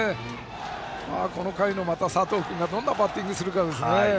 この回の佐藤君がまたどんなバッティングをするかです。